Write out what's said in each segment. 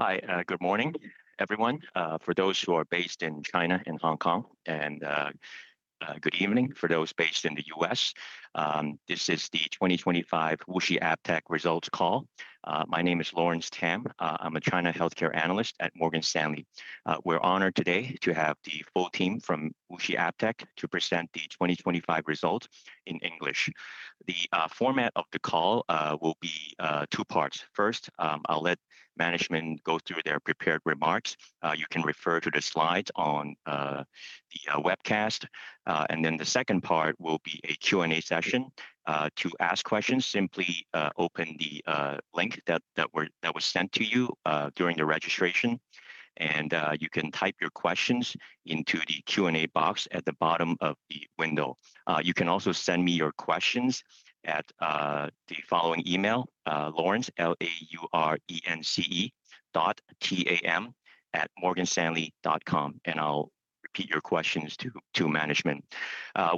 Hi. Good morning, everyone, for those who are based in China and Hong Kong, and good evening for those based in the U.S. This is the 2025 WuXi AppTec Results Call. My name is Laurence Tam. I'm a China Healthcare Analyst at Morgan Stanley. We're honored today to have the full team from WuXi AppTec to present the 2025 results in English. The format of the call will be two parts. First, I'll let management go through their prepared remarks. You can refer to the slides on the webcast. Then the second part will be a Q&A session. To ask questions, simply open the link that was sent to you during the registration, and you can type your questions into the Q&A box at the bottom of the window. You can also send me your questions at the following email, laurence.tam@morganstanley.com, and I'll repeat your questions to management.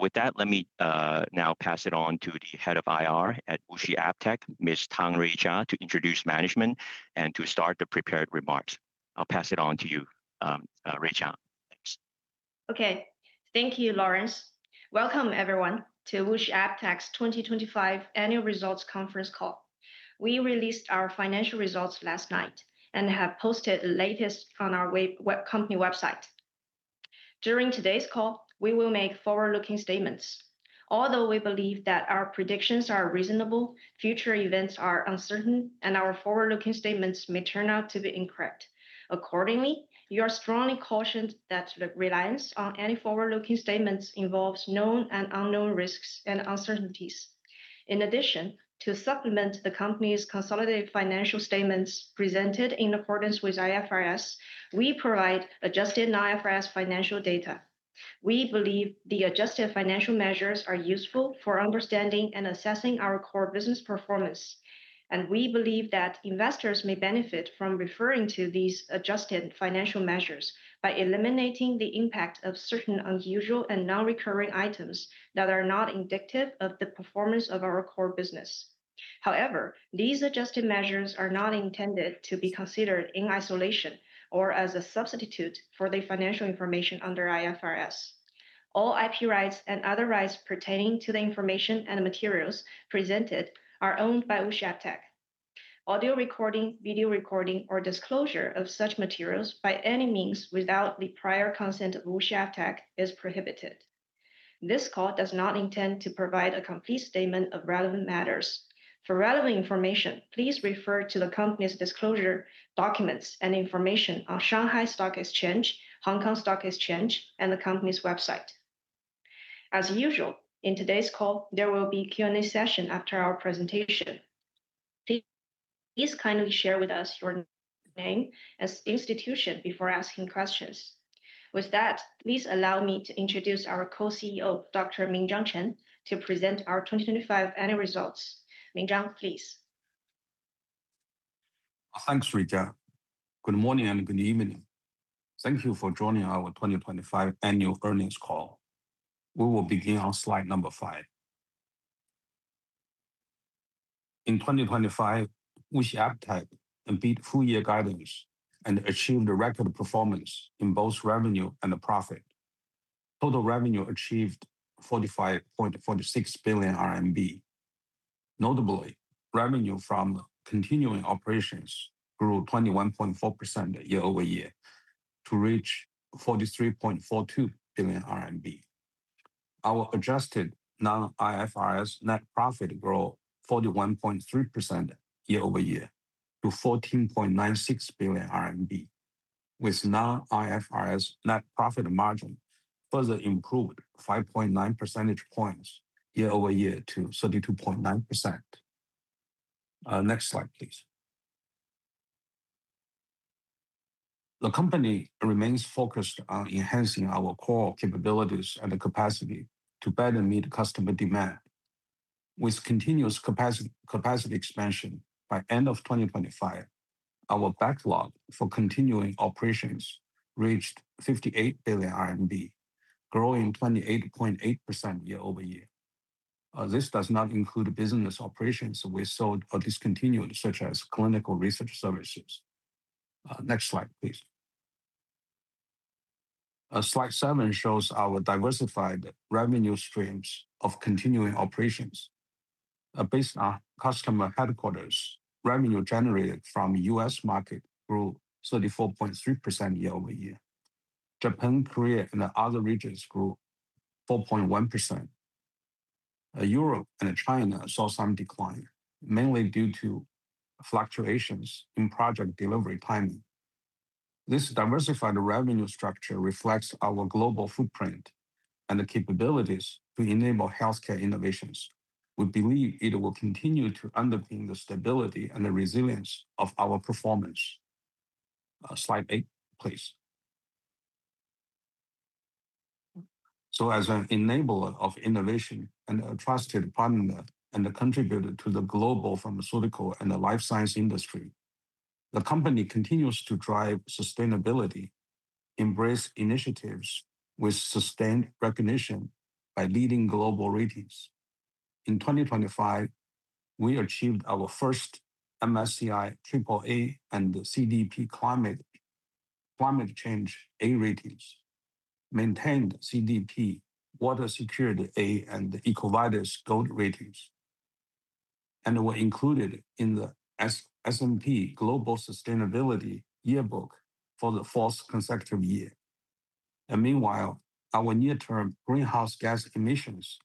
With that, let me now pass it on to the Head of IR at WuXi AppTec, Ms. Ruijia Tang, to introduce management and to start the prepared remarks. I'll pass it on to you, Ruijia. Thanks. Okay. Thank you, Laurence. Welcome, everyone, to WuXi AppTec's 2025 Annual Results Conference Call. We released our financial results last night and have posted the latest on our company website. During today's call, we will make forward-looking statements. Although we believe that our predictions are reasonable, future events are uncertain, and our forward-looking statements may turn out to be incorrect. Accordingly, you are strongly cautioned that the reliance on any forward-looking statements involves known and unknown risks and uncertainties. In addition, to supplement the company's consolidated financial statements presented in accordance with IFRS, we provide adjusted non-IFRS financial data. We believe the adjusted financial measures are useful for understanding and assessing our core business performance, and we believe that investors may benefit from referring to these adjusted financial measures by eliminating the impact of certain unusual and non-recurring items that are not indicative of the performance of our core business. However, these adjusted measures are not intended to be considered in isolation or as a substitute for the financial information under IFRS. All IP rights and other rights pertaining to the information and the materials presented are owned by WuXi AppTec. Audio recording, video recording, or disclosure of such materials by any means without the prior consent of WuXi AppTec is prohibited. This call does not intend to provide a complete statement of relevant matters. For relevant information, please refer to the company's disclosure documents and information on Shanghai Stock Exchange, Hong Kong Stock Exchange, and the company's website. As usual, in today's call, there will be Q&A session after our presentation. Please kindly share with us your name and institution before asking questions. With that, please allow me to introduce our Co-CEO, Dr. Minzhang Chen, to present our 2025 annual results. Minzhang, please. Thanks, Ruijia. Good morning, and good evening. Thank you for joining our 2025 annual earnings call. We will begin on slide five. In 2025, WuXi AppTec beat full year guidance and achieved a record performance in both revenue and the profit. Total revenue achieved 45.46 billion RMB. Notably, revenue from continuing operations grew 21.4% year-over-year to reach 43.42 billion RMB. Our adjusted non-IFRS net profit grew 41.3% year-over-year to 14.96 billion RMB, with non-IFRS net profit margin further improved 5.9 percentage points year-over-year to 32.9%. Next slide, please. The company remains focused on enhancing our core capabilities and the capacity to better meet customer demand. With continuous capacity expansion, by end of 2025, our backlog for continuing operations reached RMB 58 billion, growing 28.8% year-over-year. This does not include business operations we sold or discontinued, such as clinical research services. Next slide, please. Slide seven shows our diversified revenue streams of continuing operations. Based on customer headquarters, revenue generated from U.S. market grew 34.3% year-over-year. Japan, Korea, and the other regions grew 4.1%. Europe and China saw some decline, mainly due to fluctuations in project delivery timing. This diversified revenue structure reflects our global footprint and the capabilities to enable healthcare innovations. We believe it will continue to underpin the stability and the resilience of our performance. Slide eight, please. As an enabler of innovation and a trusted partner and a contributor to the global pharmaceutical and the life science industry, the company continues to drive sustainability, embrace initiatives with sustained recognition by leading global ratings. In 2025, we achieved our first MSCI AAA and CDP Climate Change A ratings, maintained CDP Water Security A and EcoVadis Gold Ratings, and were included in the S&P Global Sustainability Yearbook for the fourth consecutive year. Meanwhile, our near-term greenhouse gas emissions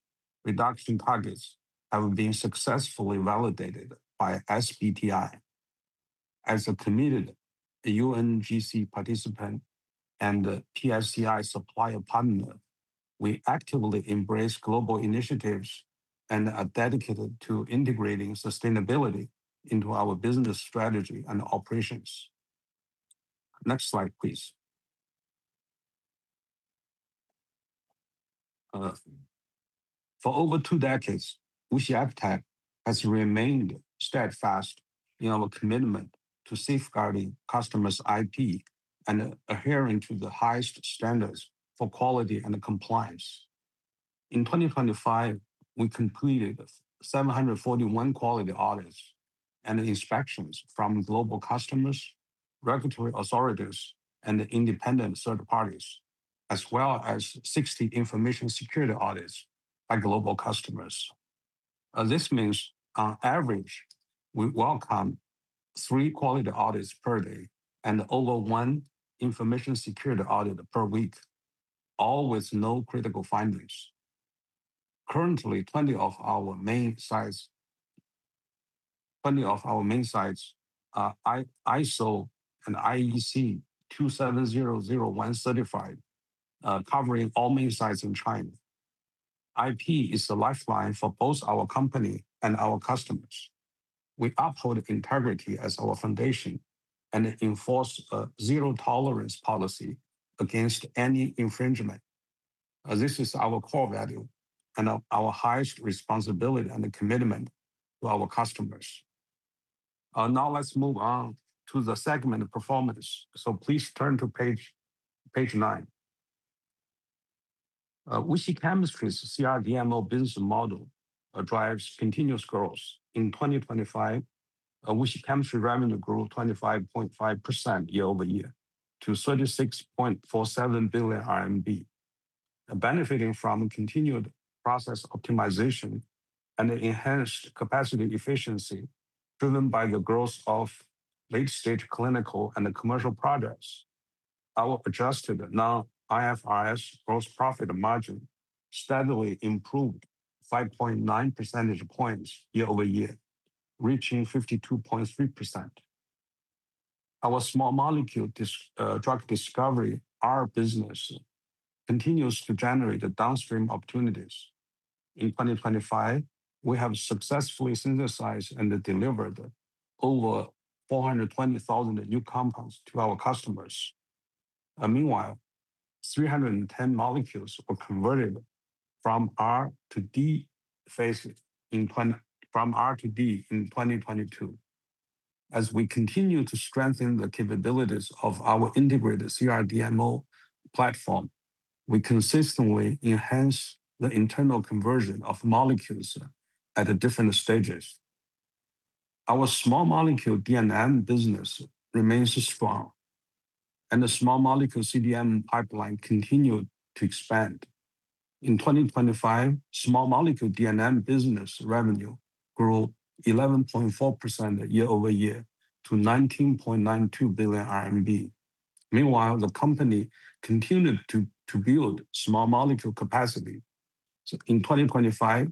reduction targets have been successfully validated by SBTi. As a committed UNGC participant and a PSCI supplier partner, we actively embrace global initiatives and are dedicated to integrating sustainability into our business strategy and operations. Next slide, please. For over two decades, WuXi AppTec has remained steadfast in our commitment to safeguarding customers' IP and adhering to the highest standards for quality and compliance. In 2025, we completed 741 quality audits and inspections from global customers, regulatory authorities, and independent third parties, as well as 60 information security audits by global customers. This means on average, we welcome three quality audits per day and over one information security audit per week, all with no critical findings. Currently, 20 of our main sites are ISO/IEC 27001 certified, covering all main sites in China. IP is the lifeline for both our company and our customers. We uphold integrity as our foundation and enforce a zero-tolerance policy against any infringement. This is our core value and our highest responsibility and commitment to our customers. Now let's move on to the segment performance. Please turn to page nine. WuXi Chemistry's CRDMO business model drives continuous growth. In 2025, WuXi Chemistry revenue grew 25.5% year-over-year to RMB 36.47 billion. Benefiting from continued process optimization and enhanced capacity efficiency, driven by the growth of late-stage clinical and the commercial products, our adjusted non-IFRS gross profit margin steadily improved 5.9 percentage points year-over-year, reaching 52.3%. Our small molecule drug discovery, our business continues to generate the downstream opportunities. In 2025, we have successfully synthesized and delivered over 420,000 new compounds to our customers. Meanwhile, 310 molecules were converted from R&D phases in 2022. As we continue to strengthen the capabilities of our integrated CRDMO platform, we consistently enhance the internal conversion of molecules at the different stages. Our small molecule D&M business remains strong, and the small molecule CDMO pipeline continued to expand. In 2025, small molecule D&M business revenue grew 11.4% year-over-year to 19.92 billion RMB. Meanwhile, the company continued to build small molecule capacity. In 2025,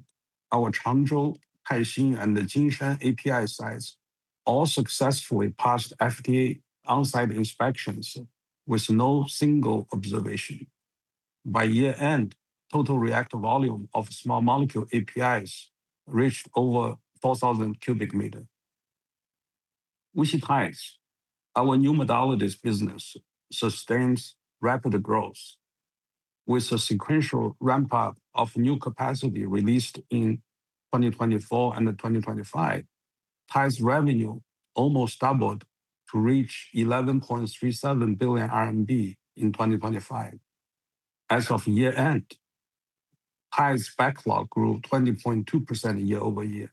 our Changzhou, Taixing, and the Jinshan API sites all successfully passed FDA on-site inspections with no single observation. By year-end, total reactor volume of small molecule APIs reached over 4,000 m³. WuXi TIDES, our new modalities business sustains rapid growth. With a sequential ramp-up of new capacity released in 2024 and 2025, TIDES revenue almost doubled to reach 11.37 billion RMB in 2025. As of year-end, TIDES backlog grew 20.2% year-over-year.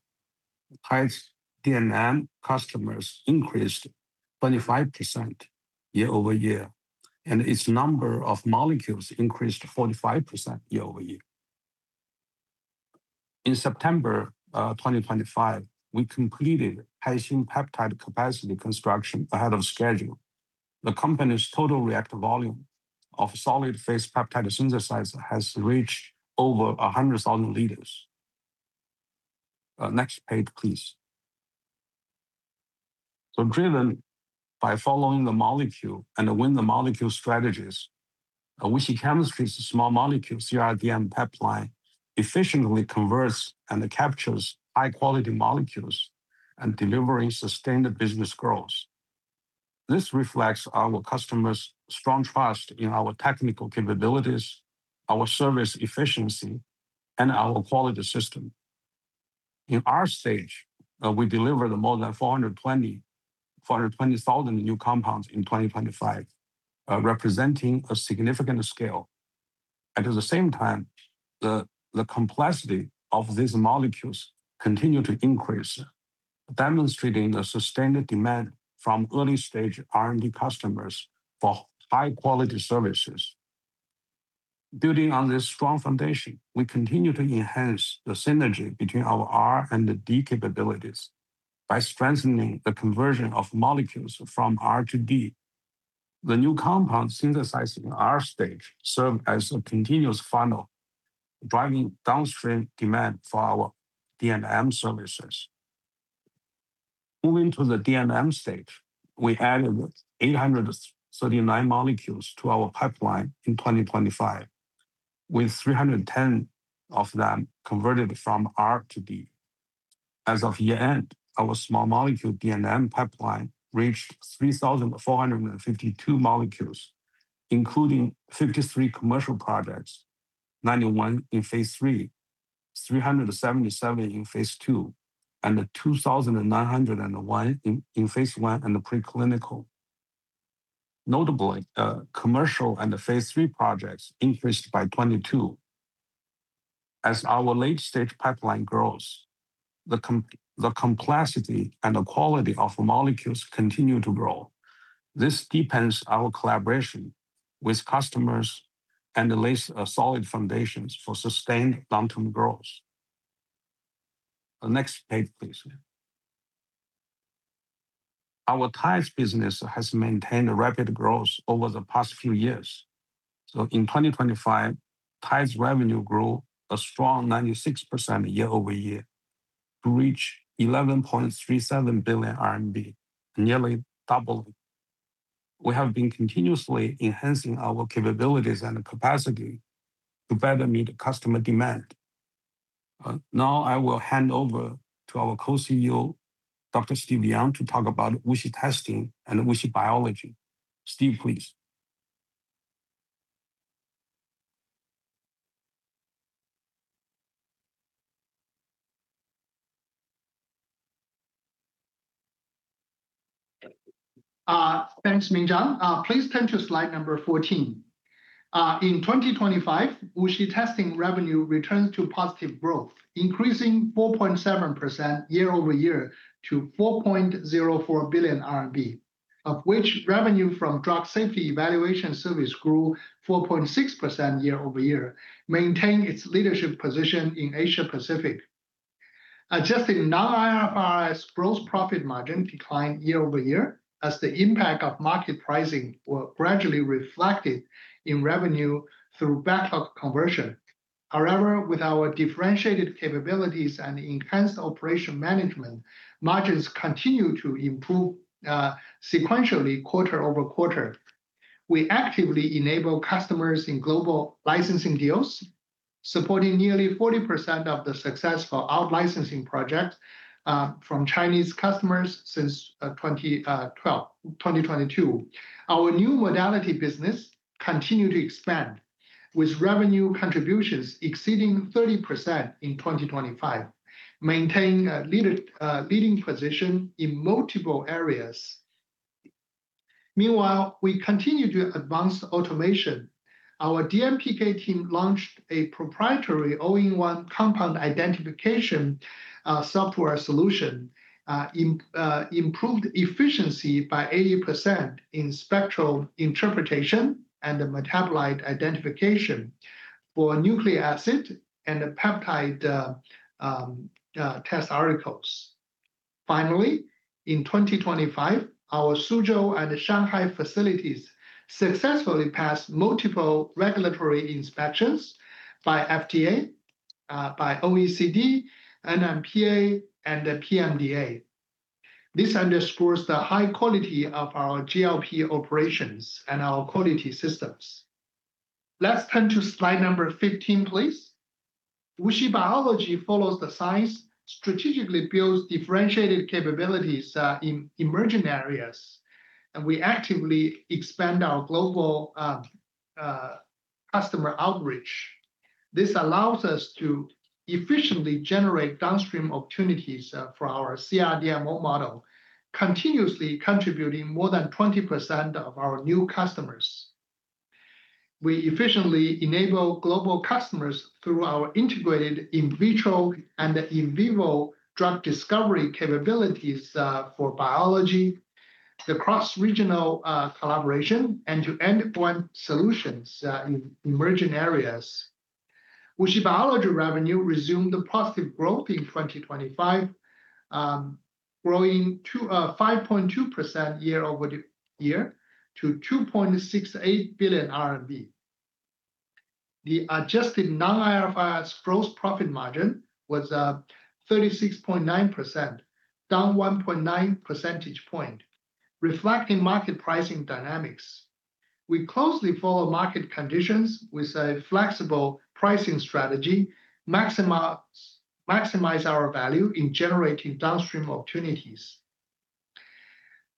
TIDES D&M customers increased 25% year-over-year, and its number of molecules increased 45% year-over-year. In September 2025, we completed Taixing peptide capacity construction ahead of schedule. The company's total reactor volume of solid-phase peptide synthesizers has reached over 100,000 L. Next page, please. Driven by following the molecule and the win-the-molecule strategies, WuXi Chemistry's small molecule CRDM pipeline efficiently converts and captures high-quality molecules and delivering sustained business growth. This reflects our customers' strong trust in our technical capabilities, our service efficiency, and our quality system. In R-stage, we delivered more than 420,000 new compounds in 2025, representing a significant scale. At the same time, the complexity of these molecules continue to increase, demonstrating the sustained demand from early-stage R&D customers for high-quality services. Building on this strong foundation, we continue to enhance the synergy between our R&D capabilities by strengthening the conversion of molecules from R to D. The new compound synthesized in R-stage serve as a continuous funnel, driving downstream demand for our D&M services. Moving to the D&M stage, we added 839 molecules to our pipeline in 2025, with 310 of them converted from R to D. As of year-end, our small molecule D&M pipeline reached 3,452 molecules, including 53 commercial projects, 91 in phase III, 377 in phase II, and 2,901 in phase I and the preclinical. Notably, commercial and the phase three projects increased by 22. As our late stage pipeline grows, the complexity and the quality of molecules continue to grow. This deepens our collaboration with customers and lays solid foundations for sustained long-term growth. The next page, please. Our TIDES business has maintained a rapid growth over the past few years. In 2025, TIDES revenue grew a strong 96% year-over-year to reach 11.37 billion RMB, nearly double. We have been continuously enhancing our capabilities and capacity to better meet customer demand. Now I will hand over to our Co-CEO, Dr. Steve Yang, to talk about WuXi Testing and WuXi Biology. Steve, please. Thanks, Minzhang. Please turn to slide 14. In 2025, WuXi Testing revenue returned to positive growth, increasing 4.7% year-over-year to 4.04 billion RMB, of which revenue from drug safety evaluation service grew 4.6% year-over-year, maintain its leadership position in Asia Pacific. Adjusted non-IFRS gross profit margin declined year-over-year as the impact of market pricing were gradually reflected in revenue through backlog conversion. However, with our differentiated capabilities and enhanced operation management, margins continue to improve sequentially quarter-over-quarter. We actively enable customers in global licensing deals, supporting nearly 40% of the successful out licensing project from Chinese customers since 2022. Our new modality business continue to expand, with revenue contributions exceeding 30% in 2025, maintaining a leading position in multiple areas. Meanwhile, we continue to advance automation. Our DMPK team launched a proprietary all-in-one compound identification software solution, improved efficiency by 80% in spectral interpretation and the metabolite identification for nucleic acid and the peptide test articles. Finally, in 2025, our Suzhou and Shanghai facilities successfully passed multiple regulatory inspections by FDA, by OECD, NMPA and the PMDA. This underscores the high quality of our GLP operations and our quality systems. Let's turn to slide number 15, please. WuXi Biology follows the science, strategically builds differentiated capabilities in emerging areas, and we actively expand our global customer outreach. This allows us to efficiently generate downstream opportunities for our CRDMO, continuously contributing more than 20% of our new customers. We efficiently enable global customers through our integrated in vitro and in vivo drug discovery capabilities for biology, the cross-regional collaboration, and end-to-end solutions in emerging areas. WuXi Biology revenue resumed the positive growth in 2025, growing 5.2% year-over-year to RMB 2.68 billion. The adjusted non-IFRS gross profit margin was 36.9%, down 1.9 percentage points, reflecting market pricing dynamics. We closely follow market conditions with a flexible pricing strategy, maximize our value in generating downstream opportunities.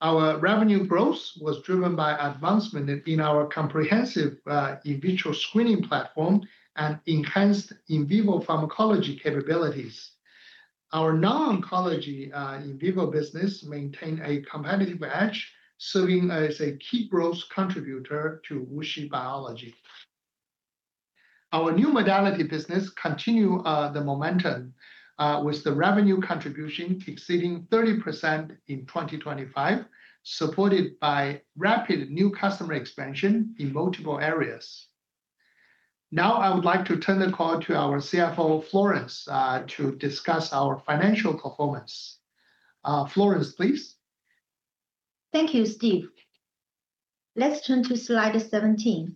Our revenue growth was driven by advancement in our comprehensive, in vitro screening platform and enhanced in vivo pharmacology capabilities. Our non-oncology, in vivo business maintain a competitive edge, serving as a key growth contributor to WuXi Biology. Our new modality business continue the momentum with the revenue contribution exceeding 30% in 2025, supported by rapid new customer expansion in multiple areas. Now I would like to turn the call to our CFO, Florence, to discuss our financial performance. Florence, please. Thank you, Steve. Let's turn to slide 17.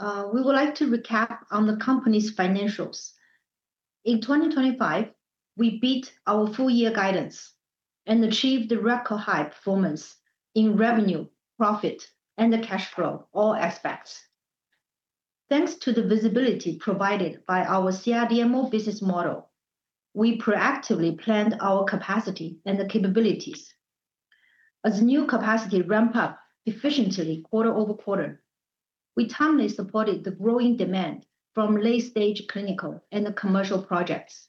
We would like to recap on the company's financials. In 2025, we beat our full year guidance and achieved a record high performance in revenue, profit and the cash flow, all aspects. Thanks to the visibility provided by our CRDMO business model, we proactively planned our capacity and the capabilities. As new capacity ramp up efficiently quarter-over-quarter, we timely supported the growing demand from late stage clinical and the commercial projects.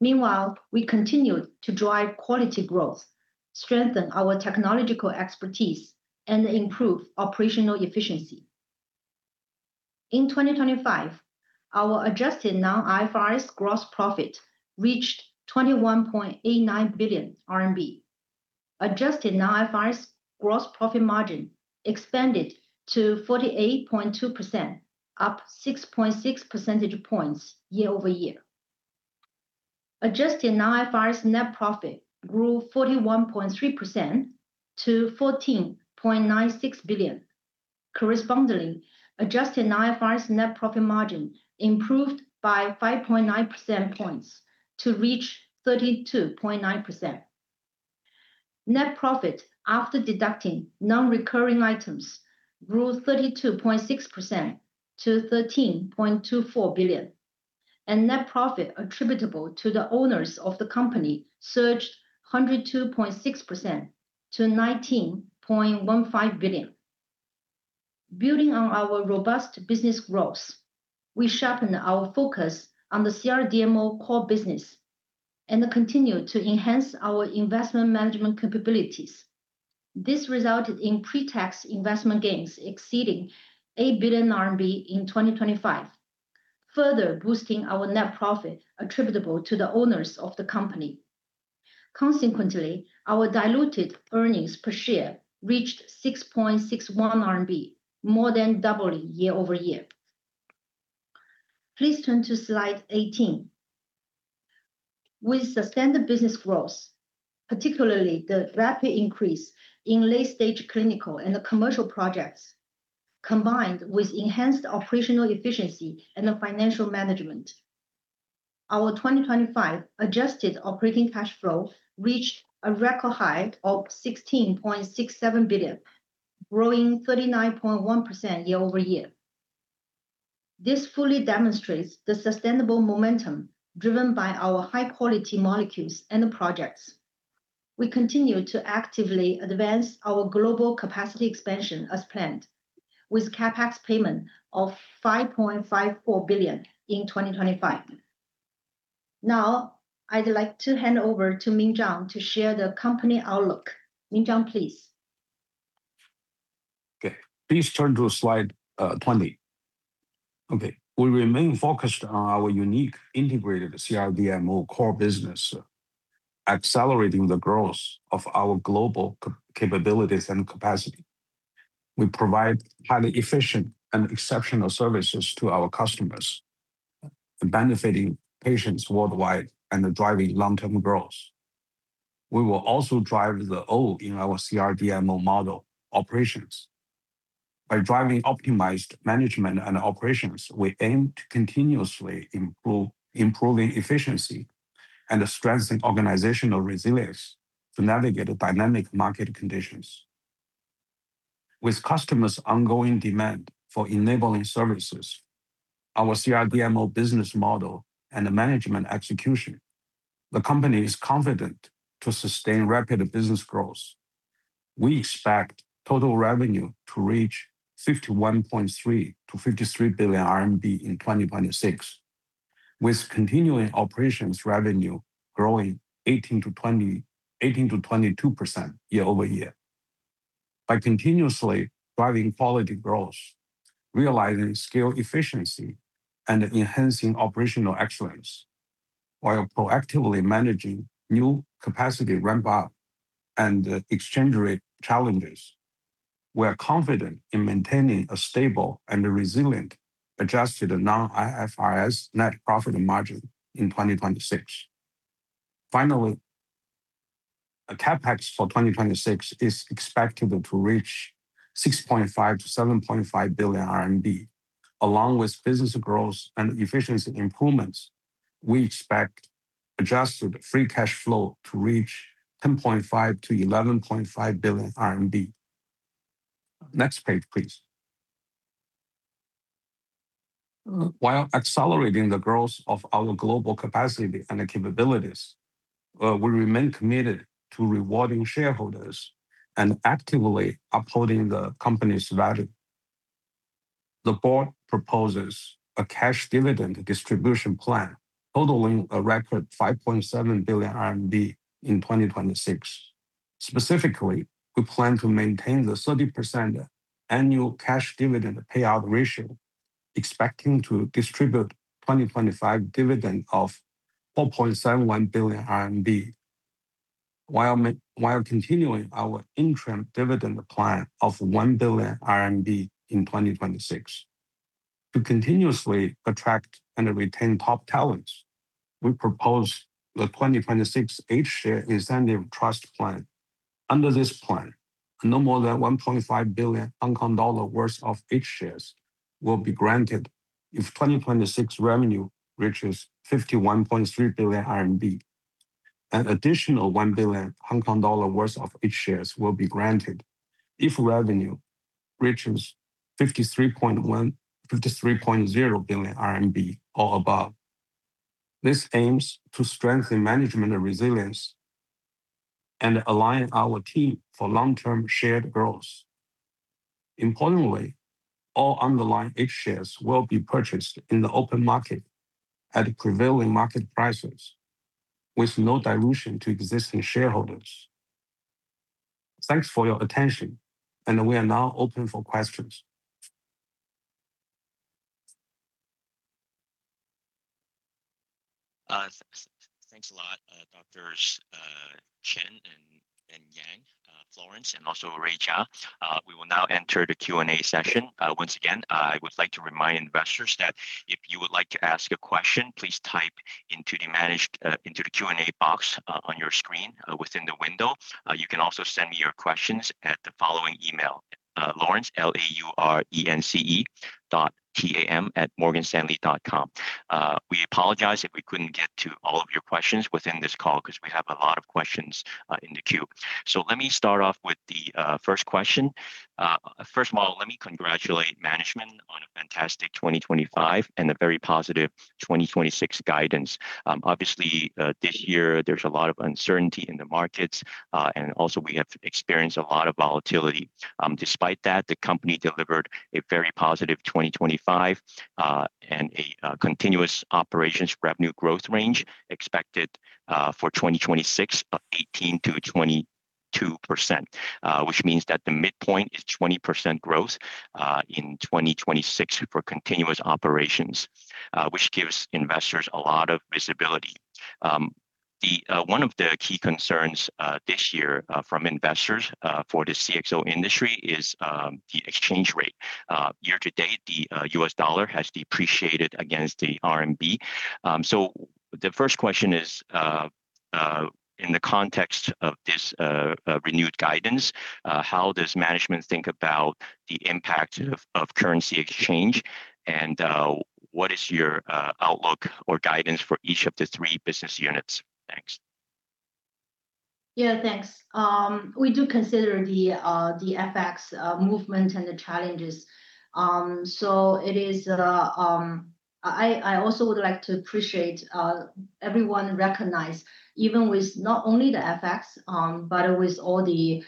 Meanwhile, we continued to drive quality growth, strengthen our technological expertise, and improve operational efficiency. In 2025, our adjusted non-IFRS gross profit reached 21.89 billion RMB. Adjusted non-IFRS gross profit margin expanded to 48.2%, up 6.6 percentage points year-over-year. Adjusted non-IFRS net profit grew 41.3% to RMB 14.96 billion. Correspondingly, adjusted non-IFRS net profit margin improved by 5.9 percentage points to reach 32.9%. Net profit after deducting non-recurring items grew 32.6% to 13.24 billion. Net profit attributable to the owners of the company surged 102.6% to 19.15 billion. Building on our robust business growth, we sharpen our focus on the CRDMO core business and continue to enhance our investment management capabilities. This resulted in pre-tax investment gains exceeding 8 billion RMB in 2025, further boosting our net profit attributable to the owners of the company. Consequently, our diluted earnings per share reached 6.61 RMB, more than doubling year-over-year. Please turn to slide 18. With sustainable business growth, particularly the rapid increase in late-stage clinical and commercial projects, combined with enhanced operational efficiency and financial management, our 2025 adjusted operating cash flow reached a record high of 16.67 billion, growing 39.1% year-over-year. This fully demonstrates the sustainable momentum driven by our high-quality molecules and projects. We continue to actively advance our global capacity expansion as planned with CapEx payment of 5.54 billion in 2025. Now, I'd like to hand over to Minzhang to share the company outlook. Minzhang, please. Okay, please turn to slide 20. Okay. We remain focused on our unique integrated CRDMO core business, accelerating the growth of our global capabilities and capacity. We provide highly efficient and exceptional services to our customers, benefiting patients worldwide and driving long-term growth. We will also drive the O in our CRDMO model, operations. By driving optimized management and operations, we aim to continuously improve efficiency and strengthening organizational resilience to navigate dynamic market conditions. With customers' ongoing demand for enabling services, our CRDMO business model and the management execution, the company is confident to sustain rapid business growth. We expect total revenue to reach 51.3 billion-53 billion RMB in 2026, with continuing operations revenue growing 18%-22% year-over-year. By continuously driving quality growth, realizing scale efficiency, and enhancing operational excellence while proactively managing new capacity ramp-up and exchange rate challenges, we are confident in maintaining a stable and a resilient adjusted non-IFRS net profit margin in 2026. Finally, our CapEx for 2026 is expected to reach 6.5 billion-7.5 billion RMB. Along with business growth and efficiency improvements, we expect adjusted free cash flow to reach 10.5 billion-11.5 billion RMB. Next page, please. While accelerating the growth of our global capacity and the capabilities, we remain committed to rewarding shareholders and actively upholding the company's value. The board proposes a cash dividend distribution plan totaling a record 5.7 billion RMB in 2026. Specifically, we plan to maintain the 30% annual cash dividend payout ratio, expecting to distribute 2025 dividend of 4.71 billion RMB, while continuing our interim dividend plan of 1 billion RMB in 2026. To continuously attract and retain top talents, we propose the 2026 H share incentive trust plan. Under this plan, no more than 1.5 billion Hong Kong dollar worth of H shares will be granted if 2026 revenue reaches 51.3 billion RMB. An additional 1 billion Hong Kong dollar worth of H shares will be granted if revenue reaches 53.0 billion RMB or above. This aims to strengthen management and resilience and align our team for long-term shared growth. Importantly, all underlying H shares will be purchased in the open market at prevailing market prices with no dilution to existing shareholders. Thanks for your attention, and we are now open for questions. Thanks a lot, Doctors Chen and Yang, Florence, and also Ruijia. We will now enter the Q&A session. Once again, I would like to remind investors that if you would like to ask a question, please type into the Q&A box on your screen within the window. You can also send me your questions at the following email, Laurence, L-A-U-R-E-N-C-E. T-A-M @morganstanley.com. We apologize if we couldn't get to all of your questions within this call 'cause we have a lot of questions in the queue. Let me start off with the first question. First of all, let me congratulate management on a fantastic 2025 and a very positive 2026 guidance. Obviously, this year there's a lot of uncertainty in the markets, and also we have experienced a lot of volatility. Despite that, the company delivered a very positive 2025, and a continuous operations revenue growth range expected for 2026 of 18%-22%. Which means that the midpoint is 20% growth in 2026 for continuous operations, which gives investors a lot of visibility. One of the key concerns this year from investors for the CXO industry is the exchange rate. Year-to-date, the U.S. dollar has depreciated against the RMB. So the first question is, in the context of this renewed guidance, how does management think about the impact of currency exchange? What is your outlook or guidance for each of the three business units? Thanks. Yeah, thanks. We do consider the FX movement and the challenges. I also would like to appreciate everyone recognize, even with not only the FX, but with all the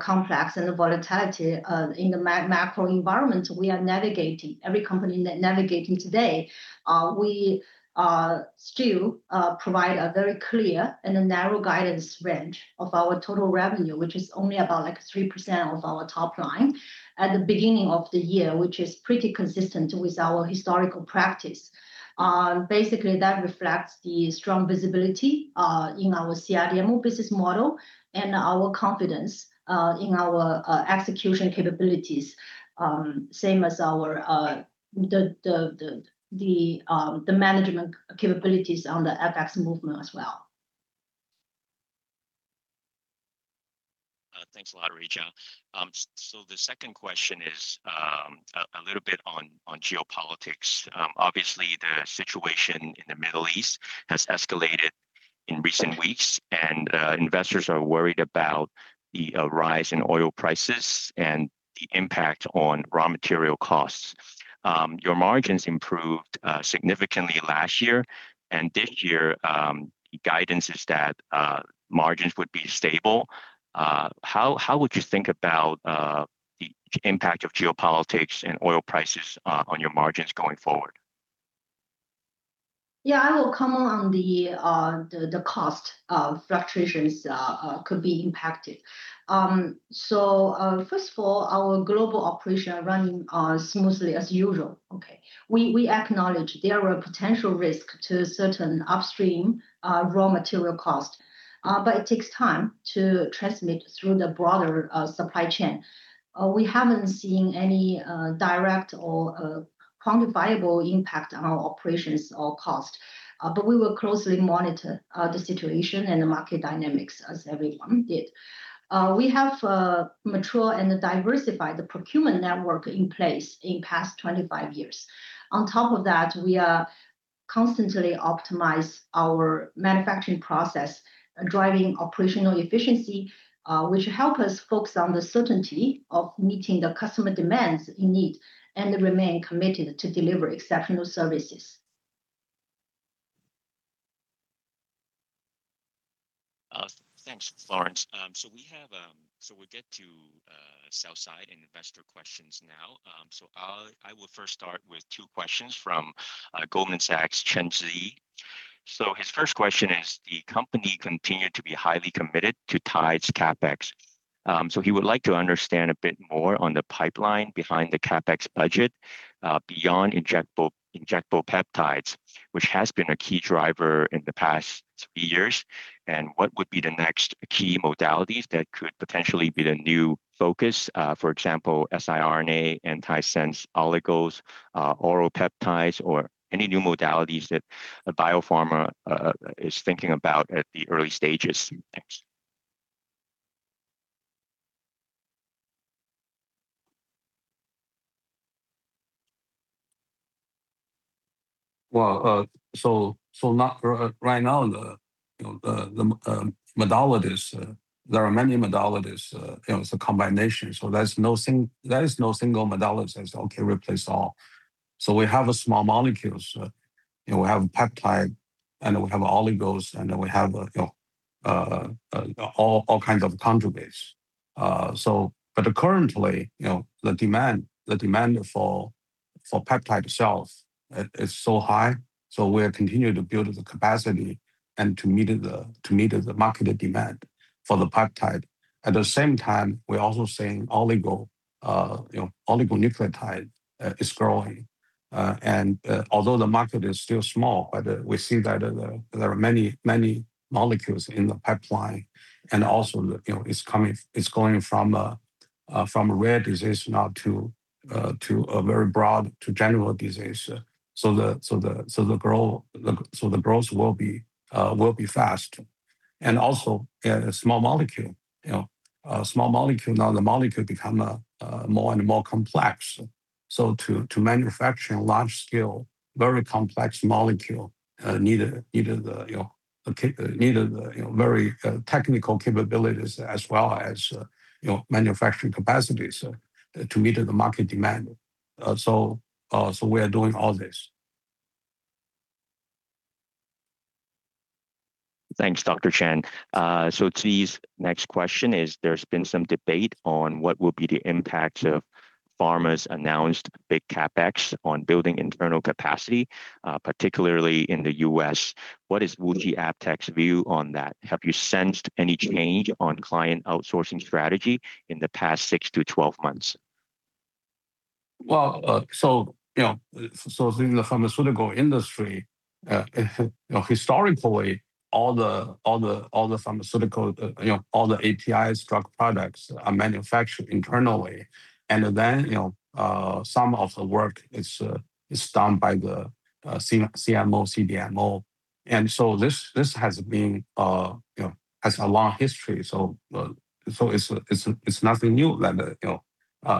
complex and the volatility in the macro environment we are navigating, every company navigating today, we still provide a very clear and a narrow guidance range of our total revenue, which is only about, like, 3% of our top line at the beginning of the year, which is pretty consistent with our historical practice. Basically, that reflects the strong visibility in our CRMO business model and our confidence in our execution capabilities, same as our the management capabilities on the FX movement as well. Thanks a lot, Ruijia. The second question is a little bit on geopolitics. Obviously, the situation in the Middle East has escalated in recent weeks, and investors are worried about the rise in oil prices and the impact on raw material costs. Your margins improved significantly last year, and this year guidance is that margins would be stable. How would you think about the impact of geopolitics and oil prices on your margins going forward? I will comment on the cost fluctuations could be impacted. First of all, our global operations are running smoothly as usual. We acknowledge there are potential risk to certain upstream raw material cost, but it takes time to transmit through the broader supply chain. We haven't seen any direct or quantifiable impact on our operations or cost, but we will closely monitor the situation and the market dynamics as everyone did. We have a mature and diversified procurement network in place in the past 25 years. On top of that, we are constantly optimize our manufacturing process, driving operational efficiency, which help us focus on the certainty of meeting the customer demands and needs, and remain committed to deliver exceptional services. Thanks, Florence. We have Q&A and investor questions now. I will first start with two questions from Goldman Sachs, Ziyi Chen. His first question is, the company continued to be highly committed to TIDES' CapEx. He would like to understand a bit more on the pipeline behind the CapEx budget beyond injectable peptides, which has been a key driver in the past few years. What would be the next key modalities that could potentially be the new focus, for example, siRNA, antisense oligos, oral peptides or any new modalities that biopharma is thinking about at the early stages? Thanks. Well, so not right now, you know, the modalities, there are many modalities, you know, it's a combination. There is no single modality that says, "Okay, replace all." We have small molecules, you know, we have peptide, and then we have oligos, and then we have, you know, all kinds of conjugates. Currently, you know, the demand for peptide itself is so high, so we are continuing to build the capacity and to meet the market demand for the peptide. At the same time, we're also seeing oligo, you know, oligonucleotide, is growing. Although the market is still small, but we see that there are many molecules in the pipeline. Also, you know, it's going from a rare disease now to a very broad, general disease. The growth will be fast. Small molecule. You know, small molecule, now the molecule become more and more complex. To manufacture large scale, very complex molecule, need very technical capabilities as well as manufacturing capacities to meet the market demand. We are doing all this. Thanks, Dr. Chen. Ziyi's next question is there's been some debate on what will be the impact of pharma's announced big CapEx on building internal capacity, particularly in the U.S. What is WuXi AppTec's view on that? Have you sensed any change on client outsourcing strategy in the past six to 12 months? Well, you know, in the pharmaceutical industry, you know, historically, all the pharmaceutical, you know, all the APIs drug products are manufactured internally. Then, you know, some of the work is done by the CMO, CDMO. This has been, you know, a long history. It's nothing new that, you know,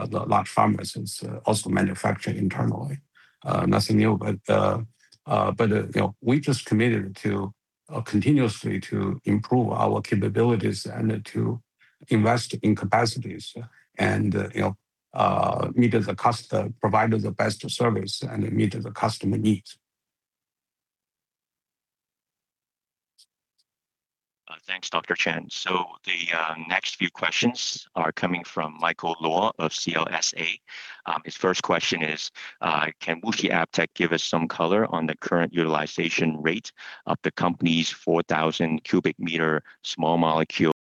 the large pharma is also manufacturing internally. Nothing new. You know, we just committed to continuously improve our capabilities and to invest in capacities and, you know, provide the best service and meet the customer needs. Thanks, Dr. Chen. The next few questions are coming from Michael Luo of CLSA. His first question is, can WuXi AppTec give us some color on the current utilization rate of the company's 4,000 m³ small molecule-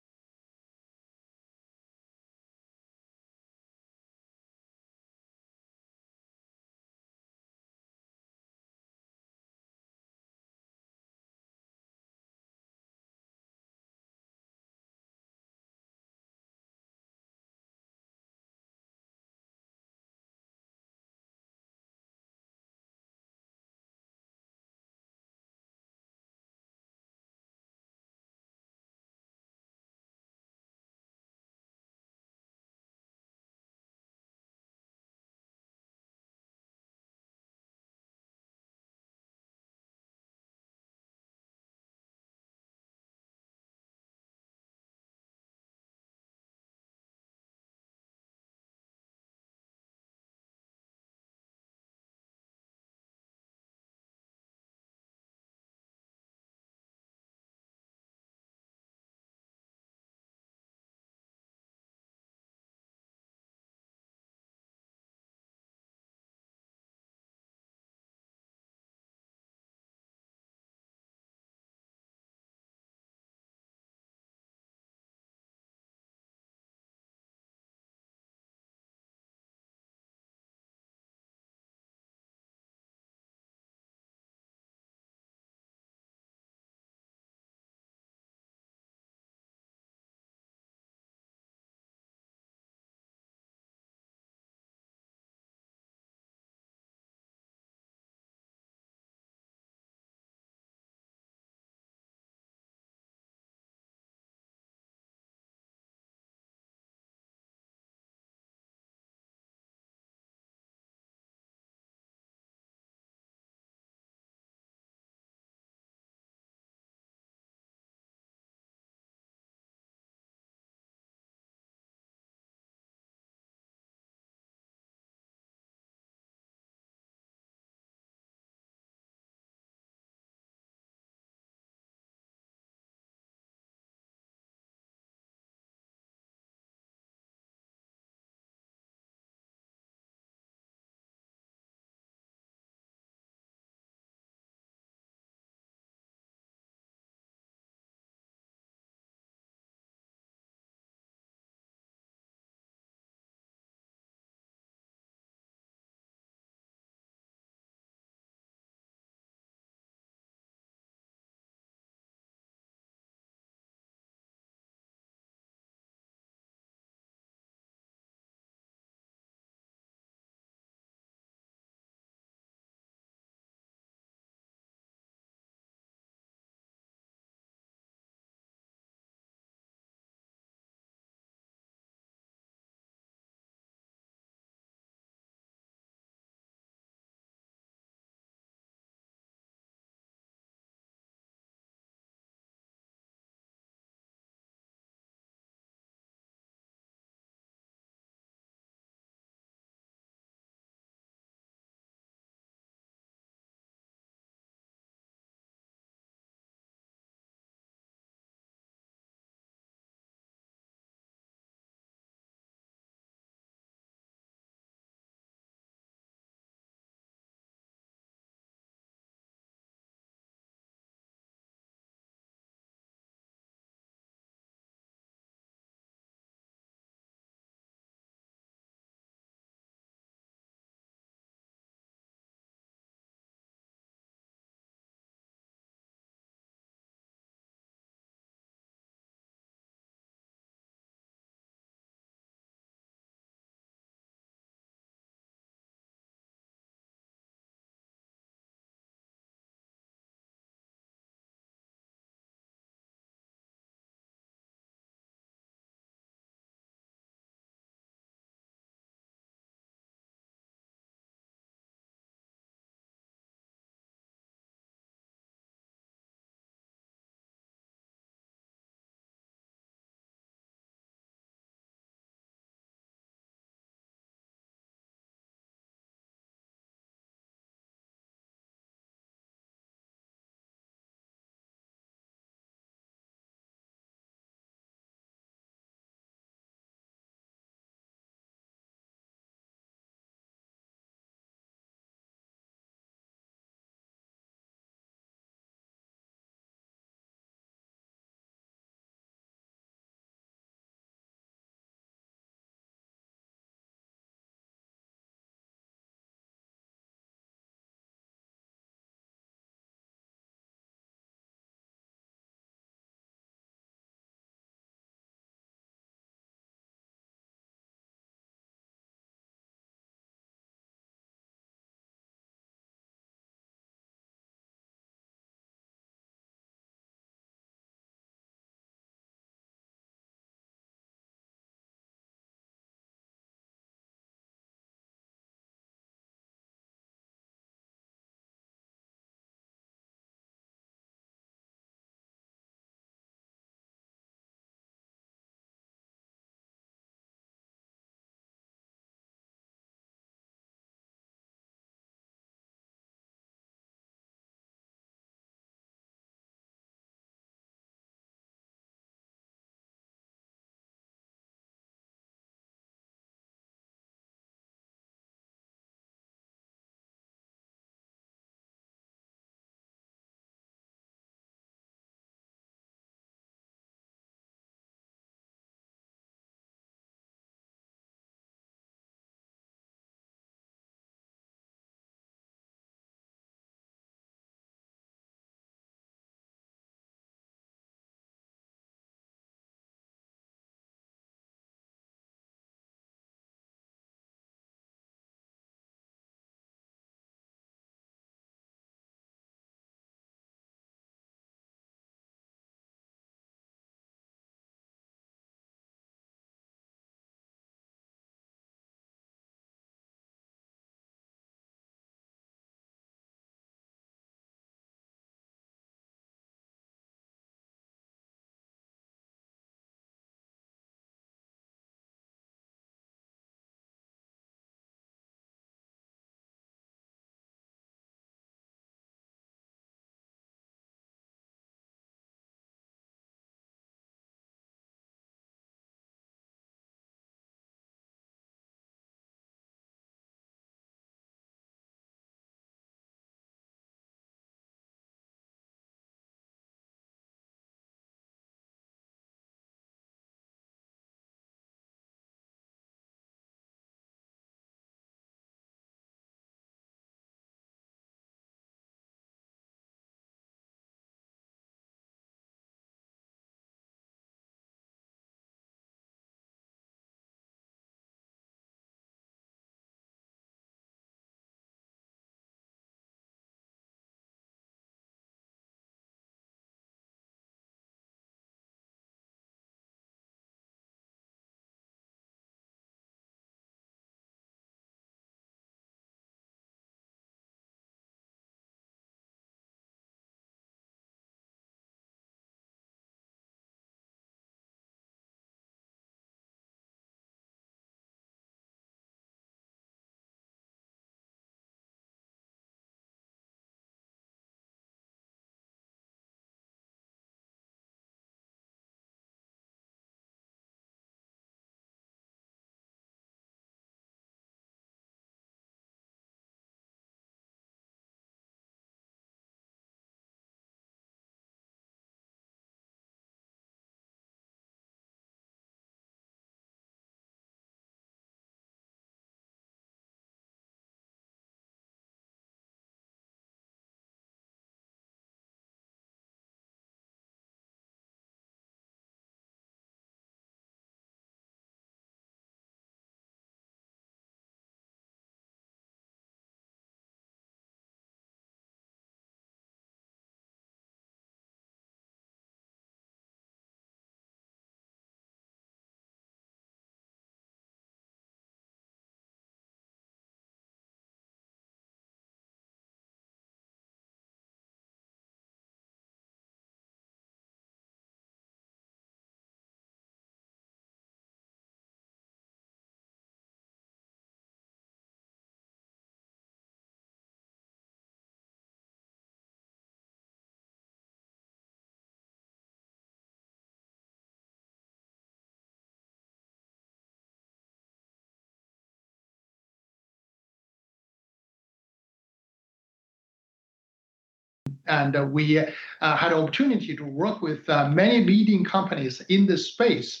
We had opportunity to work with many leading companies in this space.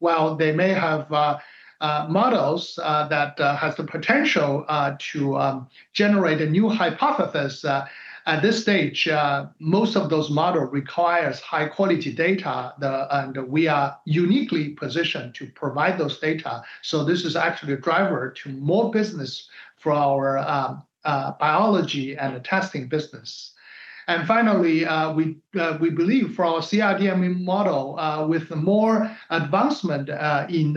While they may have models that has the potential to generate a new hypothesis, at this stage, most of those model requires high quality data, and we are uniquely positioned to provide those data. This is actually a driver to more business for our Biology and Testing business. Finally, we believe for our CRDMO model, with more advancement in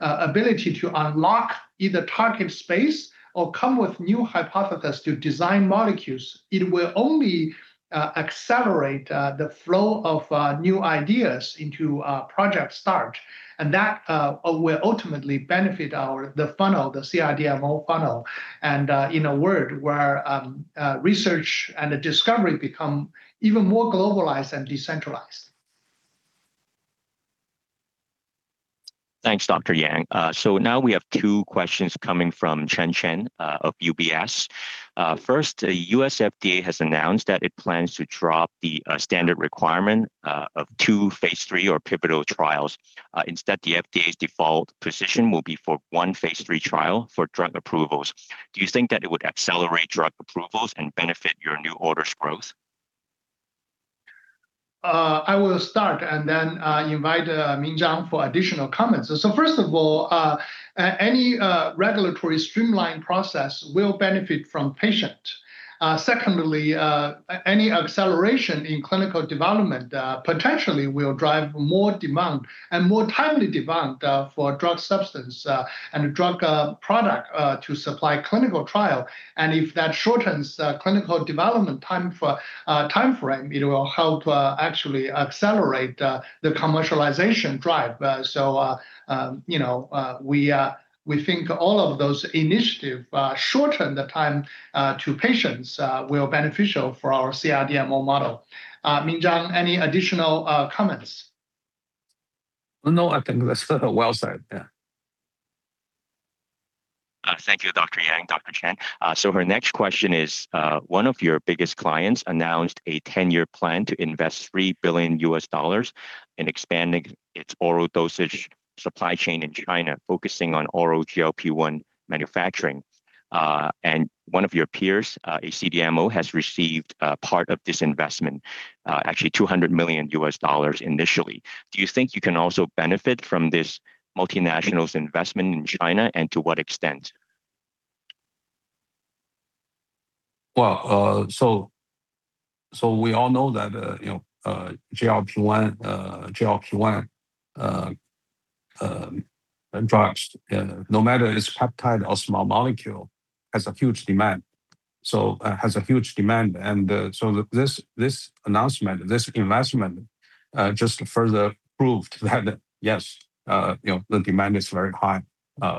ability to unlock either target space or come with new hypothesis to design molecules, it will only accelerate the flow of new ideas into project start. That will ultimately benefit the funnel, the CRDMO funnel, and in a world where research and discovery become even more globalized and decentralized. Thanks, Dr. Yang. So now we have two questions coming from Chen Chen of UBS. First, U.S. FDA has announced that it plans to drop the standard requirement of two phase III or pivotal trials. Instead, the FDA's default position will be for one phase III trial for drug approvals. Do you think that it would accelerate drug approvals and benefit your new orders growth? I will start and then invite Minzhang for additional comments. First of all, any regulatory streamline process will benefit patients. Secondly, any acceleration in clinical development potentially will drive more demand and more timely demand for drug substance and drug product to supply clinical trial. If that shortens the clinical development timeframe, it will help actually accelerate the commercialization drive. You know, we think all of those initiatives shorten the time to patients will be beneficial for our CDMO model. Minzhang, any additional comments? No, I think that's well said. Yeah. Thank you, Dr. Yang, Dr. Chen. Her next question is, one of your biggest clients announced a 10-year plan to invest $3 billion in expanding its oral dosage supply chain in China, focusing on oral GLP-1 manufacturing. One of your peers, a CDMO, has received part of this investment, actually $200 million initially. Do you think you can also benefit from this multinational's investment in China, and to what extent? Well, we all know that you know GLP-1 drugs, no matter it's peptide or small molecule, has a huge demand. This announcement, this investment just further proved that yes, you know, the demand is very high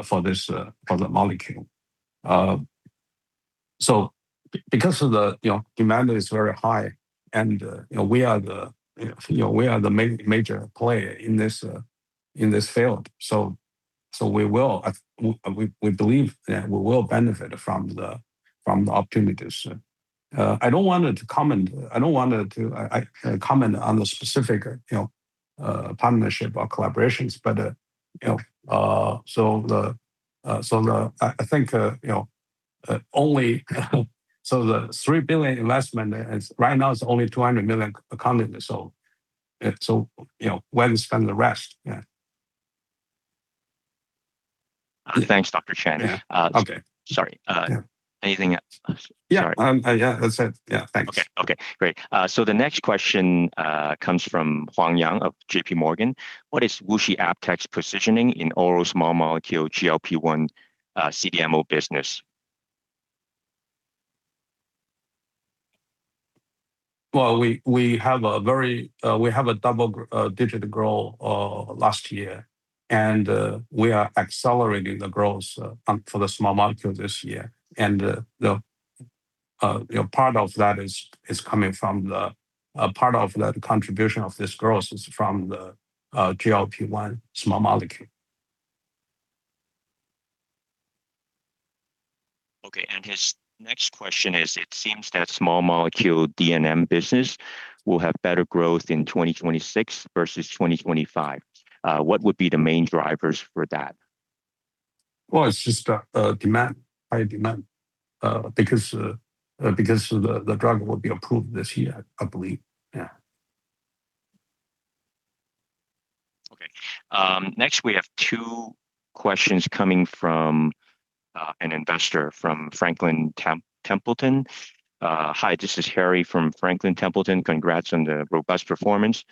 for the molecule. Because of the, you know, demand is very high, and you know, we are the major player in this field. We believe that we will benefit from the opportunities. I don't want to comment on the specific partnership or collaborations, but you know, the $3 billion investment right now is only $200 million accounted, so you know, when spend the rest? Yeah. Thanks, Dr. Chen. Yeah. Okay. Sorry. Anything else? Yeah. Yeah, that's it. Yeah. Thanks. The next question comes from Yang Huang of JPMorgan. What is WuXi AppTec's positioning in oral small molecule GLP-1 CDMO business? Well, we have very double-digit growth last year, and we are accelerating the growth for the small molecule this year. You know, part of the contribution of this growth is from the GLP-1 small molecule. Okay, his next question is, it seems that small molecule D&M business will have better growth in 2026 versus 2025. What would be the main drivers for that? Well, it's just demand, high demand, because the drug will be approved this year, I believe. Yeah. Okay. Next we have two questions coming from an investor from Franklin Templeton. Hi, this is Harry from Franklin Templeton. Congrats on the robust performance.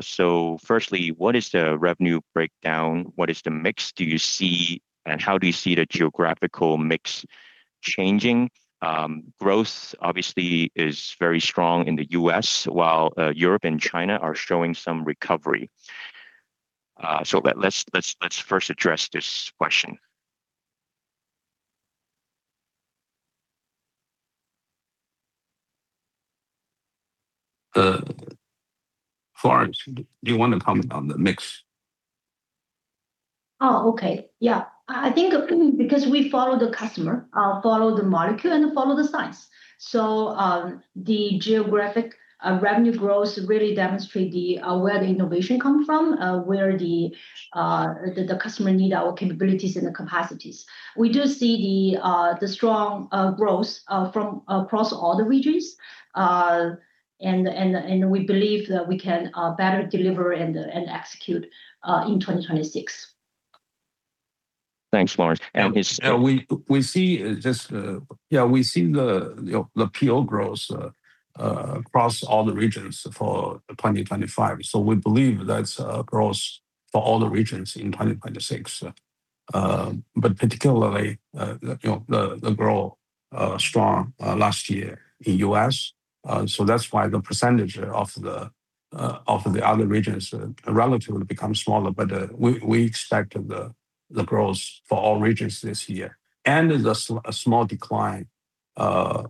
So firstly, what is the revenue breakdown? What is the mix do you see, and how do you see the geographical mix changing? Growth obviously is very strong in the U.S., while Europe and China are showing some recovery. Let's first address this question. Florence, do you want to comment on the mix? Oh, okay. Yeah. I think because we follow the customer, follow the molecule and follow the science. The geographic revenue growth really demonstrate the where the innovation come from, where the customer need our capabilities and the capacities. We do see the strong growth from across all the regions. We believe that we can better deliver and execute in 2026. Thanks, Florence. We see the PO growth across all the regions for 2025. We believe that's growth for all the regions in 2026. Particularly, you know, the strong growth last year in U.S. That's why the percentage of the other regions relatively become smaller. We expect the growth for all regions this year. The small decline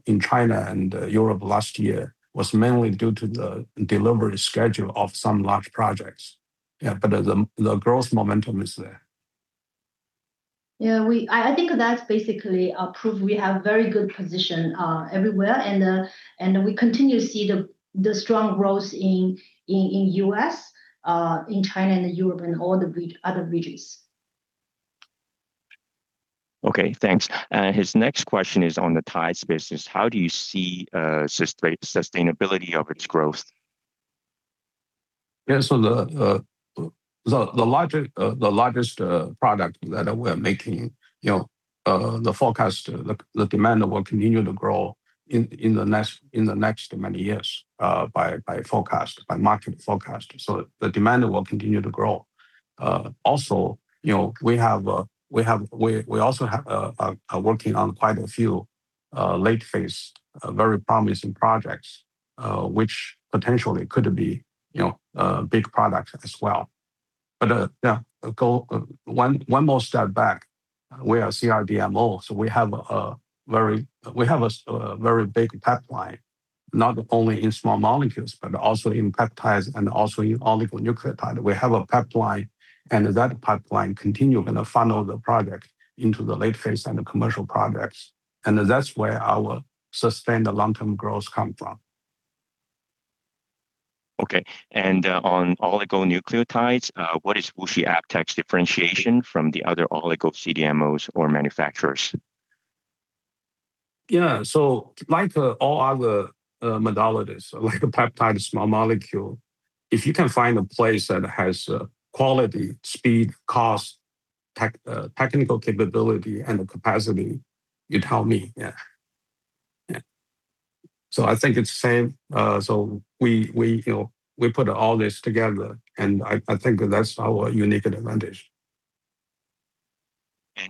in China and Europe last year was mainly due to the delivery schedule of some large projects. The growth momentum is there. Yeah, I think that's basically proof we have very good position everywhere. We continue to see the strong growth in the U.S., in China and Europe and all the other regions. Okay, thanks. His next question is on the TIDES business. How do you see sustainability of its growth? Yeah. The largest product that we're making, you know, the forecast, the demand will continue to grow in the next many years by market forecast. The demand will continue to grow. Also, you know, we also are working on quite a few late phase very promising projects, which potentially could be, you know, a big product as well. Yeah, go one more step back, we are CRDMO, so we have a very big pipeline, not only in small molecules, but also in peptides and also in oligonucleotide. We have a pipeline, and that pipeline continue gonna funnel the product into the late phase and the commercial products, and that's where our sustained long-term growth come from. Okay. On oligonucleotides, what is WuXi AppTec's differentiation from the other oligo CDMOs or manufacturers? Yeah. Like all other modalities, like peptide small molecule, if you can find a place that has quality, speed, cost, technical capability and the capacity, you tell me. Yeah. Yeah. I think it's the same. We, you know, we put all this together, and I think that's our unique advantage.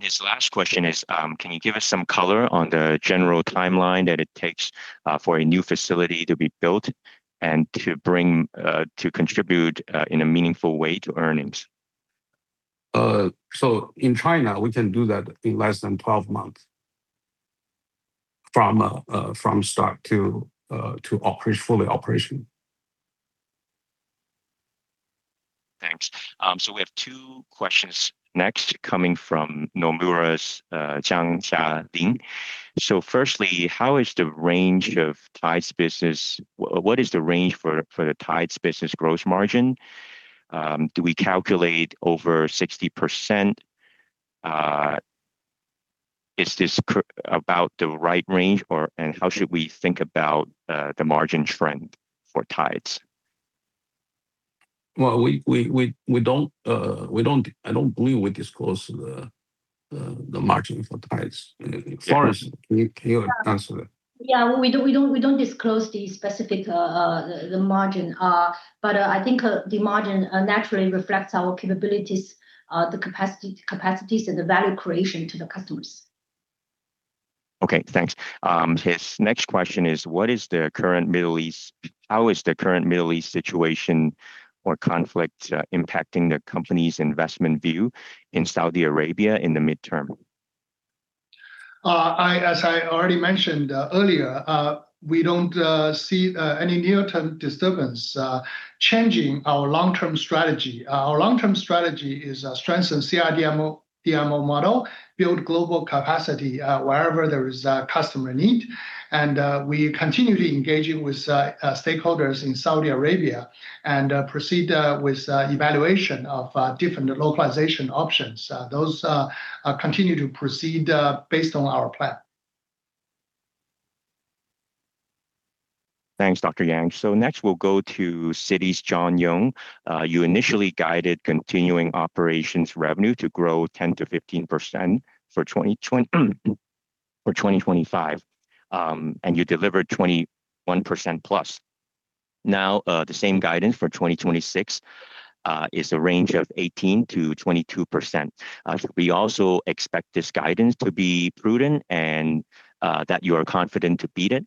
His last question is, can you give us some color on the general timeline that it takes for a new facility to be built and to contribute in a meaningful way to earnings? In China, we can do that in less than 12 months from start to fully operational. Thanks. We have two questions next coming from Nomura's Jialin Zhang Firstly, what is the range for the TIDES business gross margin? Do we calculate over 60%? Is this about the right range or and how should we think about the margin trend for TIDES? Well, I don't believe we disclose the margin for TIDES. Florence, can you answer that? Yeah. We don't disclose the specific margin. I think the margin naturally reflects our capabilities, capacities and the value creation to the customers. Okay, thanks. His next question is, how is the current Middle East situation or conflict impacting the company's investment view in Saudi Arabia in the midterm? As I already mentioned earlier, we don't see any near-term disturbance changing our long-term strategy. Our long-term strategy is strengthen CRDMO, DMO model, build global capacity wherever there is customer need. We continue to engaging with stakeholders in Saudi Arabia and proceed with evaluation of different localization options. Those continue to proceed based on our plan. Thanks, Dr. Yang. Next we'll go to Citi's John Yung. You initially guided continuing operations revenue to grow 10%-15% for 2025, and you delivered 21%+. Now, the same guidance for 2026 is a range of 18%-22%. Should we also expect this guidance to be prudent and that you are confident to beat it?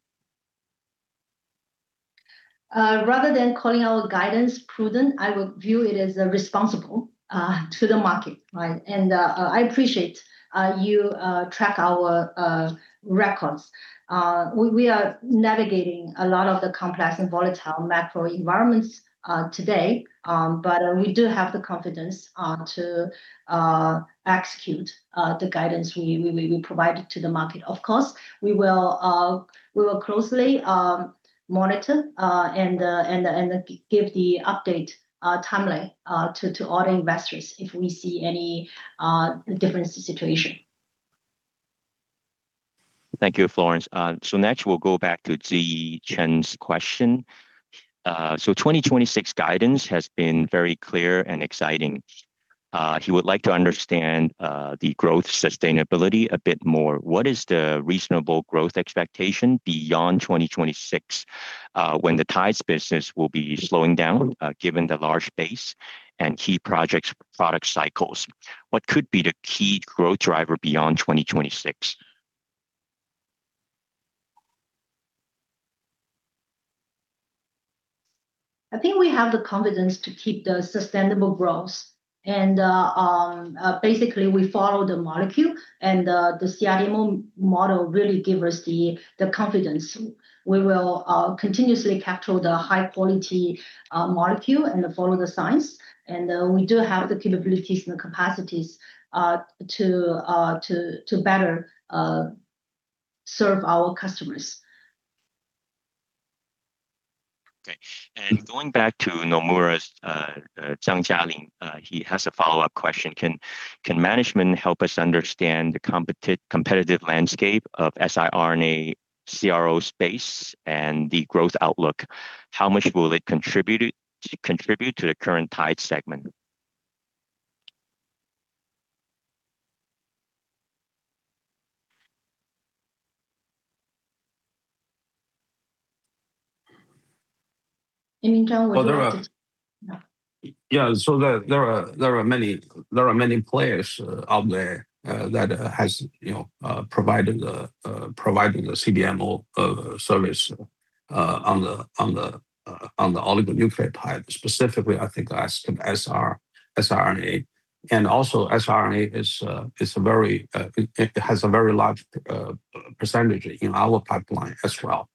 Rather than calling our guidance prudent, I would view it as responsible to the market, right? I appreciate you track our records. We are navigating a lot of the complex and volatile macro environments today, but we do have the confidence to execute the guidance we provided to the market. Of course, we will closely monitor and give the update timeline to all investors if we see any different situation. Thank you, Florence. Next we'll go back to Ziyi Chen's question. 2026 guidance has been very clear and exciting. He would like to understand the growth sustainability a bit more. What is the reasonable growth expectation beyond 2026, when the TIDES business will be slowing down, given the large base and key projects, product cycles? What could be the key growth driver beyond 2026? I think we have the confidence to keep the sustainable growth. Basically we follow the molecule, and the CRDMO model really give us the confidence. We will continuously capture the high-quality molecule and follow the science. We do have the capabilities and the capacities to better serve our customers. Going back to Nomura's Jialin Zhang, he has a follow-up question. Can management help us understand the competitive landscape of siRNA CRO space and the growth outlook? How much will it contribute to the current TIDES segment? Minzhang, would you like to? Well, there are- No. Yeah, there are many players out there that has, you know, providing the CDMO service on the oligonucleotide pipeline, specifically, I think as siRNA. Also siRNA is a very, it has a very large percentage in our pipeline as well.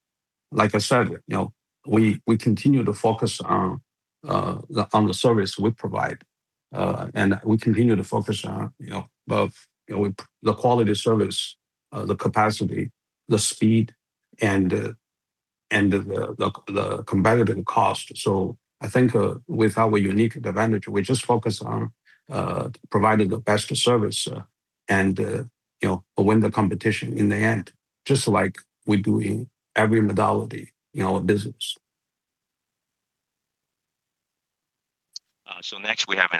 Like I said, you know, we continue to focus on the service we provide, and we continue to focus on, you know, the quality of service, the capacity, the speed and the competitive cost. I think, with our unique advantage, we just focus on providing the best service, and you know, win the competition in the end, just like we do in every modality in our business. Next we have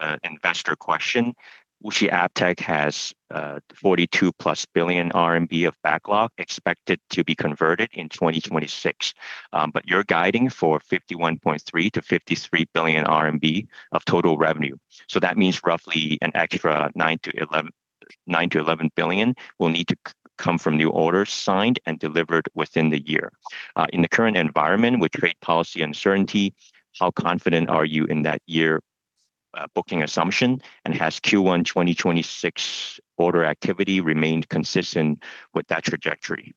an investor question. WuXi AppTec has 42+ billion RMB of backlog expected to be converted in 2026, but you're guiding for 51.3 billion-53 billion RMB of total revenue. That means roughly an extra 9 billion-11 billion will need to come from new orders signed and delivered within the year. In the current environment with trade policy uncertainty, how confident are you in that year booking assumption? Has Q1 2026 order activity remained consistent with that trajectory?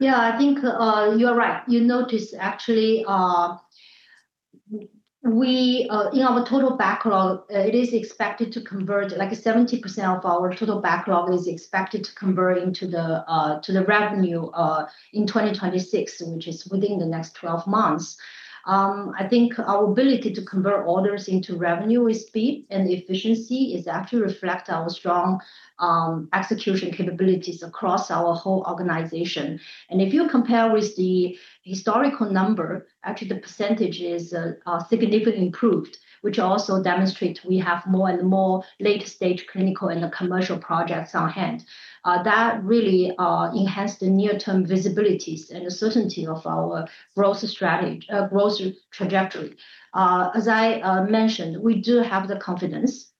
Yeah, I think you're right. You notice actually in our total backlog, it is expected to convert like 70% of our total backlog into the revenue in 2026, which is within the next 12 months. I think our ability to convert orders into revenue with speed and efficiency actually reflects our strong execution capabilities across our whole organization. If you compare with the historical number, actually the percentage is significantly improved, which also demonstrates we have more and more late-stage clinical and commercial projects on hand. That really enhances the near-term visibilities and the certainty of our growth trajectory. As I mentioned, we do have the confidence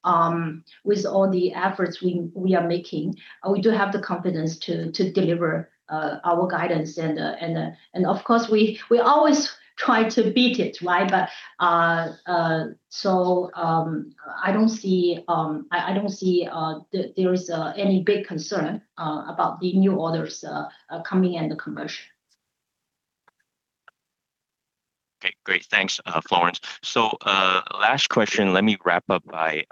with all the efforts we are making to deliver our guidance. Of course we always try to beat it, right? I don't see there is any big concern about the new orders coming in the commercial. Okay, great. Thanks, Florence. So, last question, let me wrap up by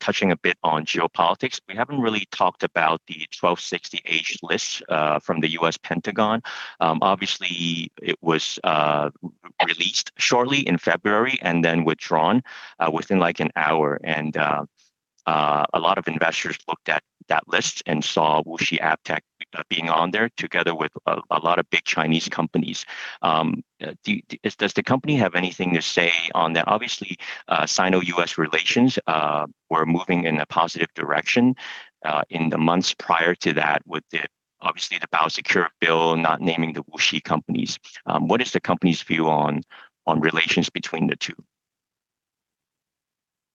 touching a bit on geopolitics. We haven't really talked about the 1260H list from the U.S. Department of Defense. Obviously it was released shortly in February and then withdrawn within like an hour. A lot of investors looked at that list and saw WuXi AppTec being on there together with a lot of big Chinese companies. Does the company have anything to say on that? Obviously, Sino-U.S. relations were moving in a positive direction in the months prior to that with, obviously, the BIOSECURE Act not naming the WuXi companies. What is the company's view on relations between the two?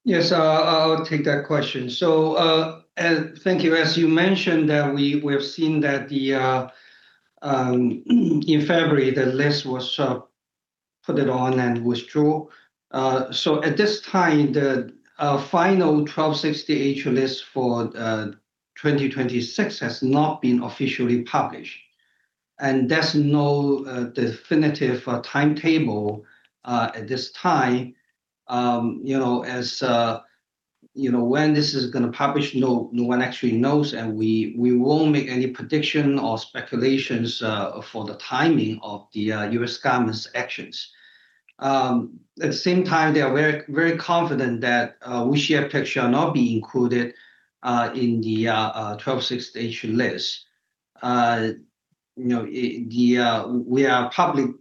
Yes, I'll take that question. Thank you. As you mentioned that we've seen that in February the list was put on and withdrawn. At this time, the final 1260H list for 2026 has not been officially published, and there's no definitive timetable at this time. You know, when this is gonna publish, no one actually knows and we won't make any prediction or speculations for the timing of the U.S. government's actions. At the same time, they are very, very confident that WuXi AppTec shall not be included in the 1260H list. You know, we are a publicly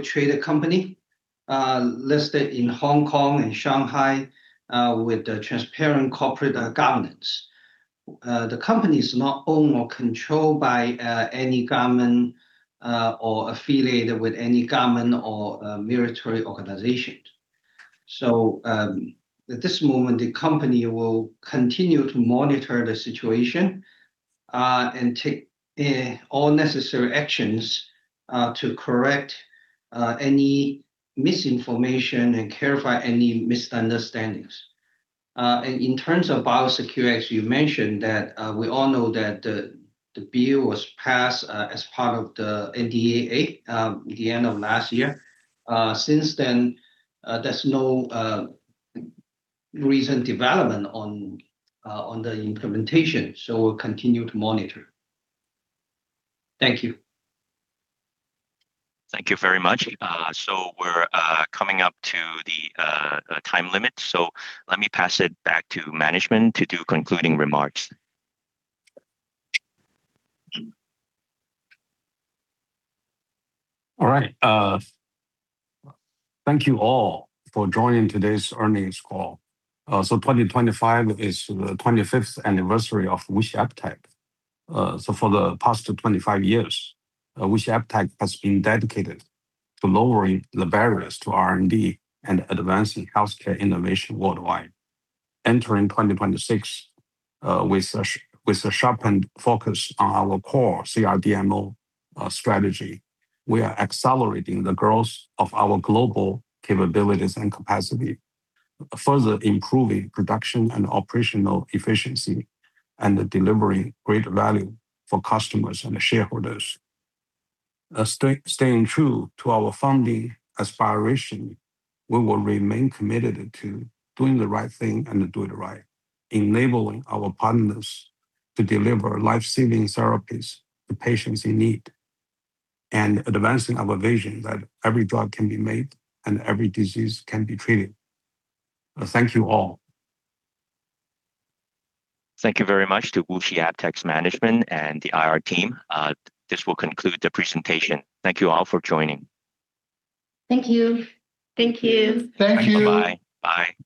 traded company, listed in Hong Kong and Shanghai, with a transparent corporate governance. The company is not owned or controlled by any government or affiliated with any government or military organization. At this moment, the company will continue to monitor the situation and take all necessary actions to correct any misinformation and clarify any misunderstandings. In terms of biosecurity, as you mentioned that, we all know that the bill was passed as part of the NDAA at the end of last year. Since then, there's no recent development on the implementation, so we'll continue to monitor. Thank you. Thank you very much. We're coming up to the time limit, so let me pass it back to management to do concluding remarks. All right. Thank you all for joining today's earnings call. 2025 is the 25th anniversary of WuXi AppTec. For the past 25 years, WuXi AppTec has been dedicated to lowering the barriers to R&D and advancing healthcare innovation worldwide. Entering 2026, with a sharpened focus on our core CRDMO strategy, we are accelerating the growth of our global capabilities and capacity, further improving production and operational efficiency, and delivering greater value for customers and shareholders. Staying true to our founding aspiration, we will remain committed to doing the right thing and to do it right, enabling our partners to deliver life-saving therapies to patients in need, and advancing our vision that every drug can be made and every disease can be treated. Thank you all. Thank you very much to WuXi AppTec's management and the IR team. This will conclude the presentation. Thank you all for joining. Thank you. Thank you. Thank you. Bye-bye. Bye. Bye-bye.